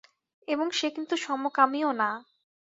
এবং সে কিন্তু সমকামীও না।